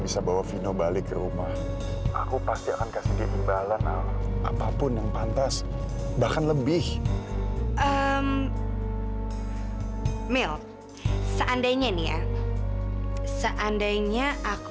sampai jumpa di video selanjutnya